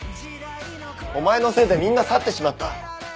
お前のせいでみんな去ってしまった！